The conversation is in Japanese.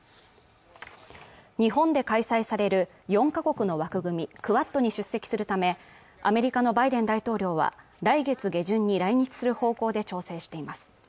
日本で開催される４カ国の枠組みクアッドに出席するためアメリカのバイデン大統領は来月下旬に来日する方向で調整しています